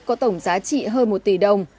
có tổng giá trị hơn một tỷ đồng